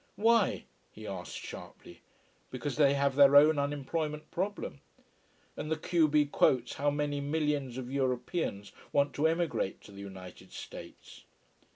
Why? he asks sharply. Because they have their own unemployment problem. And the q b quotes how many millions of Europeans want to emigrate to the United States.